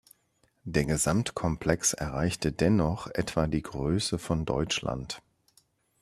Der Gesamtkomplex erreichte dennoch etwa die Größe von Deutschland.